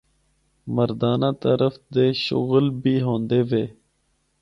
مردانہ طرف دے شغل بھی ہوندے وے۔